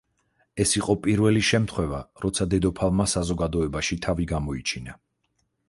ეს იყო პირველი შემთხვევა, როცა დედოფალმა საზოგადოებაში თავი გამოიჩინა.